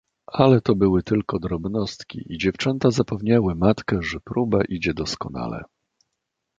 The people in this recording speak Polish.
"Ale to były tylko drobnostki i dziewczęta zapewniały matkę, że próba idzie doskonale."